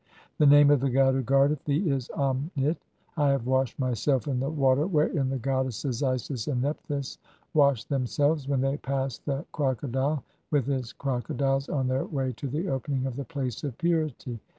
"The name of the god who guardeth thee is Am Nit. I have "washed myself in the water wherein (27) the goddesses Isis "and Nephthys washed themselves when they passed the Croco "dile with his crocodiles on their way to the opening of the "place of purity.